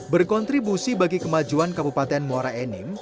berkontribusi bagi kemajuan kabupaten muara enim